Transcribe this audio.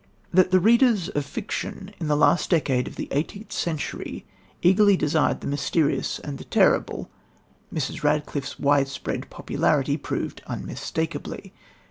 That the readers of fiction in the last decade of the eighteenth century eagerly desired the mysterious and the terrible, Mrs. Radcliffe's widespread popularity proved unmistakably.